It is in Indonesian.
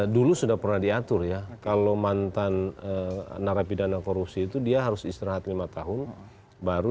dulu sudah pernah diatur ya kalau mantan narapidana korupsi itu dia harus istirahat lima tahun baru